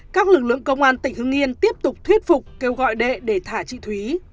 các lực lượng công an tỉnh hương nghiền tiếp tục thuyết phục kêu gọi đệ để thả chị thúy